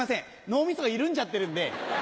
脳みそが緩んじゃってるんで。